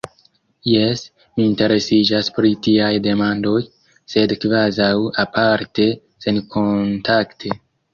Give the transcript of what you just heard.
Jes, mi interesiĝas pri tiaj demandoj, sed kvazaŭ aparte, senkontakte.